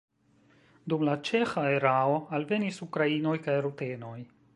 Dum la ĉeĥa erao alvenis ukrainoj kaj rutenoj.